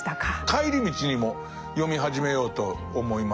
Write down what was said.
帰り道にも読み始めようと思います。